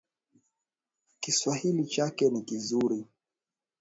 Kiswahili chake ni kizuri